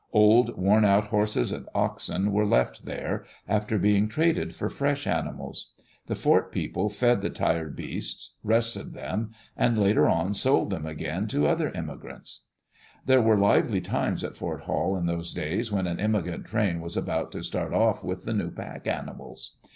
Old, worn out horses and oxen were left there, after being traded for fresh animals. The fort people fed the tired beasts, rested them, and later on sold them again, to other immigrants. There were lively times at Fort Hall in those days when an immigrant train was about to start off with the new pack animals.